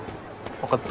分かった。